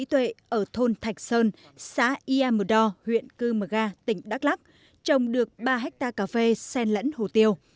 ông nguyễn sĩ tuệ ở thôn thạch sơn xã ia mù đo huyện cư mờ ga tỉnh đắk lắc trồng được ba hectare cà phê sen lẫn hủ tiêu